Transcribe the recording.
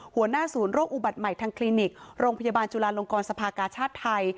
หัวหน้าศูนย์โรคอุบัติใหม่ทางคลินิกโรงพยาบาลจุลาลงกรสภากาชาติไทย